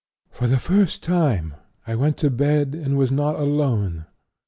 'For the first time I went to bed and was not alone.